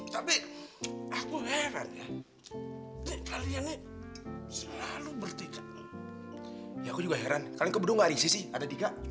tapi aku heran ya ini kalian nih selalu bertiga